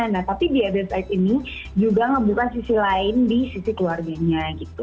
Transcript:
nah tapi the added side ini juga ngebuka sisi lain di sisi keluarganya gitu